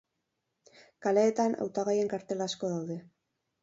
Kaleetan, hautagaien kartel asko daude.